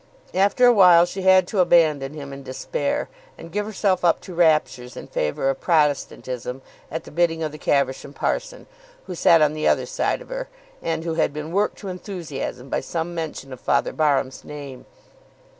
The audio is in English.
After a while she had to abandon him in despair, and give herself up to raptures in favour of Protestantism at the bidding of the Caversham parson, who sat on the other side of her, and who had been worked to enthusiasm by some mention of Father Barham's name.